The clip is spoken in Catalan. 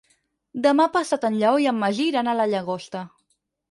Demà passat en Lleó i en Magí iran a la Llagosta.